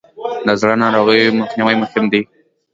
د زړه ناروغیو مخنیوی مهم دی.